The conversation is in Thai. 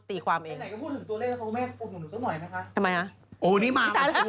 ทีไหนขอบีเบจสักหน่อยนะคะ